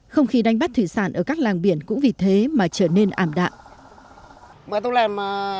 không khí đánh bắt thủy sản ở các làng biển cũng vì thế mà trở nên ảm đạm